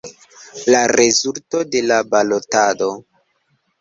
La rezulto de la balotado.